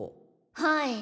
はい。